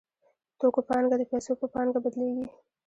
د توکو پانګه د پیسو په پانګه بدلېږي